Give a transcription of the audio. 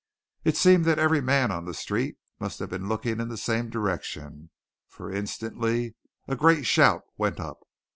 It seemed that every man on the street must have been looking in the same direction, for instantly a great shout went up.